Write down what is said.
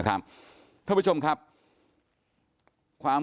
กลุ่มตัวเชียงใหม่